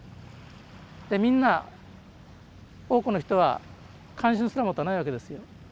でみんな多くの人は関心すら持たないわけですよ。